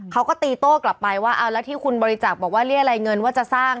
เขาก็ตีโต้กลับไปว่าเอาแล้วที่คุณบริจักษ์บอกว่าเรียรายเงินว่าจะสร้าง